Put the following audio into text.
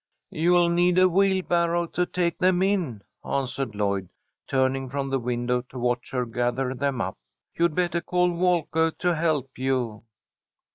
"You'll need a wheelbarrow to take them in," answered Lloyd, turning from the window to watch her gather them up. "You'd bettah call Walkah to help you."